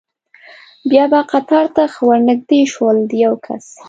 بیا به قطار ته ښه ور نږدې شول، د یو کس.